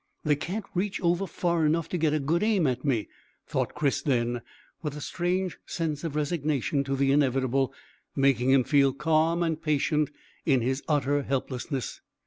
"They can't reach over far enough to get a good aim at me," thought Chris then, with a strange sense of resignation to the inevitable making him feel calm and patient in his utter helplessness.